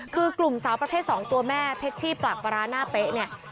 คือกลุ่มสาวประเภท๒ตัวแม่เพชรชี่ปากปลาร้าหน้าเป๊ะเนี่ย